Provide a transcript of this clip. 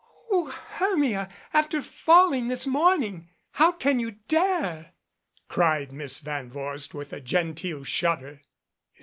"O Hermia, after falling this morning ! How can you dare?" cried Miss Van Vorst, with a genteel shudder.